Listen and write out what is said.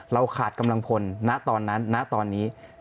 เราขาดกำลังพลณตอนนั้นณตอนนี้